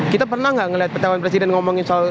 kita pernah gak ngeliat petawan presiden ngomongin soal